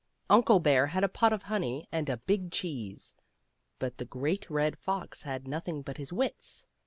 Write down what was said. Uncle Bear had a pot of honey and a big cheese, but the Great Red Fox had nothing but his wits.